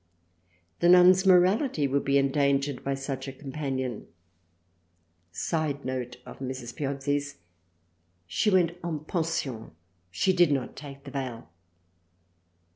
The Nun's Morality would be endangered by such a Companion. [Side note of Mrs. Piozzi's] She went en Pension She did not take the Veil.